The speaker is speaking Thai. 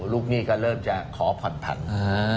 ลูกหนี้ก็เริ่มจะขอผ่อนพันธุ์